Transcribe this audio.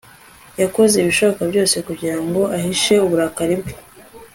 Yakoze ibishoboka byose kugira ngo ahishe uburakari bwe